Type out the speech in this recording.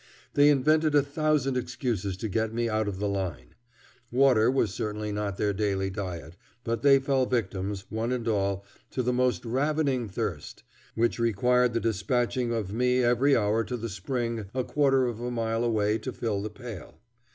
They invented a thousand excuses to get me out of the line. Water was certainly not their daily diet, but they fell victims, one and all, to the most ravening thirst, which required the despatching of me every hour to the spring a quarter of a mile away to fill the pail.